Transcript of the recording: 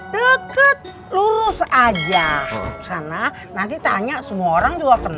deket lurus aja sana nanti tanya semua orang competit treat